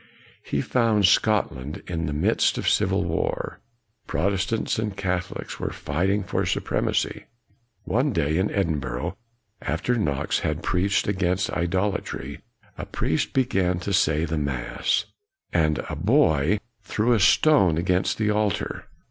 He found Scotland in the midst of civil war. Protestants and Catholics were fighting for supremacy. One day, in Edinburgh, after Knox had preached against idolatry, a priest began to say the mass. And a boy threw a stone against the altar.